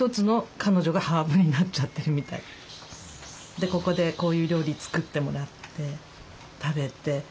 でここでこういう料理作ってもらって食べて。